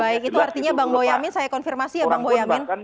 baik itu artinya bang boyamin saya konfirmasi ya bang boyamin